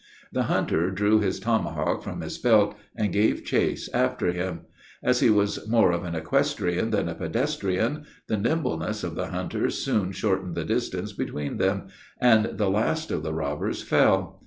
The hunter drew his tomahawk from his belt, and gave chase after him. As he was more of an equestrian than a pedestrian, the nimbleness of the hunter soon shortened the distance between them, and the last of the robbers fell.